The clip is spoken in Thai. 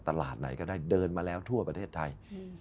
ตลาดไหนก็ได้เดินมาแล้วทั่วประเทศไทย